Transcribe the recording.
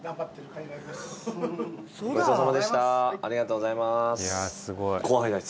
ありがとうございます。